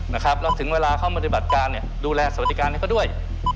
แล้วถึงเวลาเขามาดิบัตรการดูแลสวัสดิการให้เขาด้วย